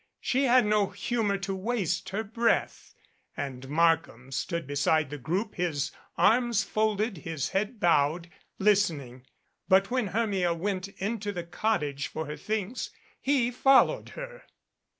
She had no humor to waste her breath. And Markham stood beside the group, his arms folded, his head bowed, listening. But when Hermia went into the cottage for her things he followed her.